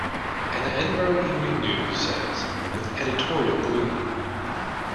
And the Edinburgh Evening News says, with editorial gloom.